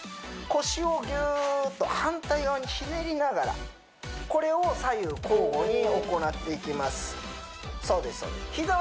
腰をぎゅーっと反対側にひねりながらこれを左右交互に行っていきますそうです